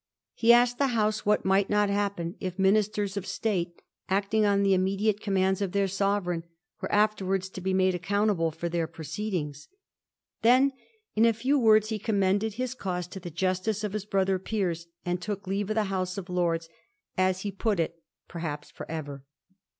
He asked the House what might not happen if Ministers of State^ acting on the immediate commands of their sovereign, were afterwards to be made accountable for their pro ceedings. Then in a few words he commended hi& cause to the justice of his brother peers, and took leave of the House of Lords, as he put it, * perhaps for ever.'